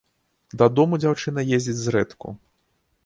Дадому дзяўчына ездзіць зрэдку.